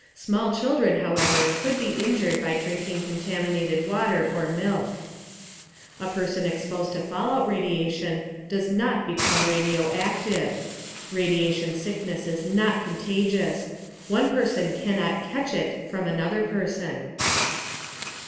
Small children, however, could be injured by drinking contaminated water or milk. * A person exposed to fallout radiation does not become radioactive. Radiation sickness is not contagious; one person cannot "catch it" from another person.